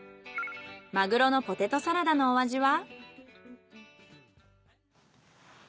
マグロのポテトサラダのお味は？